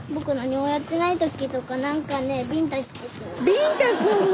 ビンタすんの？